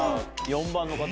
４番の方